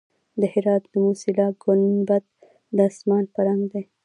د هرات د موسیلا ګنبد د اسمان په رنګ دی